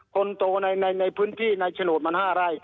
คนโตในพื้นที่ในโฉนดมัน๕ไร่